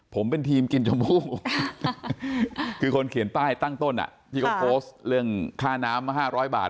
ผมเป็นทีมกินชมพู่คือคนเขียนป้ายตั้งต้นที่เขาโพสต์เรื่องค่าน้ำมา๕๐๐บาท